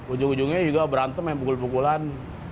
ujung ujungnya juga berantem yang pukul pukulan